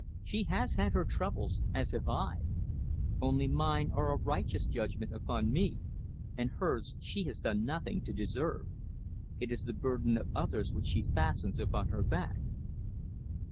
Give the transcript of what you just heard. She has had her troubles, as I have! Only mine are a righteous judgment upon me, and hers she has done nothing to deserve. It is the burden of others which she fastens upon her back."